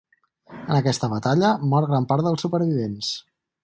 En aquesta batalla mor gran part dels supervivents.